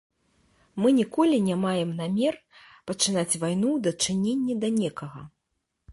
Мы ніколі не маем намер пачынаць вайну ў дачыненні да некага.